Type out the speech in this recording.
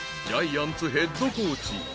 ［ジャイアンツヘッドコーチ。